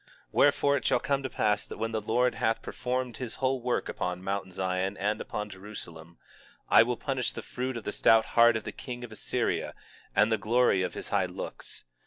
20:12 Wherefore it shall come to pass that when the Lord hath performed his whole work upon Mount Zion and upon Jerusalem, I will punish the fruit of the stout heart of the king of Assyria, and the glory of his high looks.